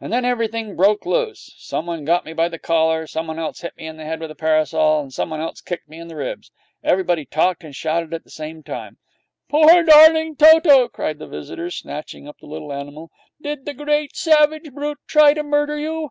And then everything broke loose. Somebody got me by the collar, somebody else hit me on the head with a parasol, and somebody else kicked me in the ribs. Everybody talked and shouted at the same time. 'Poor darling Toto!' cried the visitor, snatching up the little animal. 'Did the great savage brute try to murder you!'